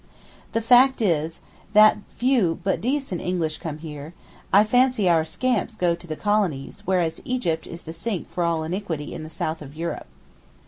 The fact is that few but decent English come here, I fancy our scamps go to the colonies, whereas Egypt is the sink for all the iniquity of the South of Europe.